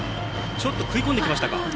ちょっと食い込んできましたか。